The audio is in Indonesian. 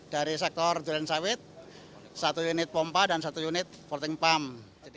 dari sektor duren sawit satu unit pompa dan satu unit voting pump